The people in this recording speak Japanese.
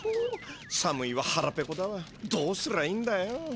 寒いわはらぺこだわどうすりゃいいんだよ。